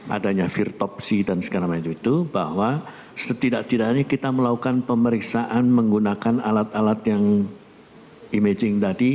adanya virtopsi dan segala macam itu bahwa setidak tidaknya kita melakukan pemeriksaan menggunakan alat alat yang imaging tadi